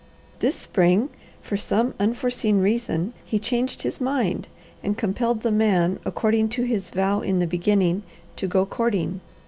This spring, for some unforeseen reason, he changed his mind, and compelled the man, according to his vow in the beginning, to go courting.